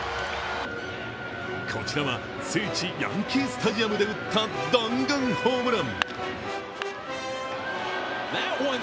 こちらは聖地ヤンキースタジアムで打った弾丸ホームラン。